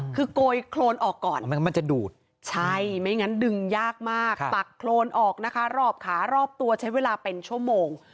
คือโกยโครนออกก่อนมันจะดูดใช่ไม่งั้นดึงยากมากปักโครนออกนะคะรอบขารอบตัวใช้เวลาเป็นชั่วโมง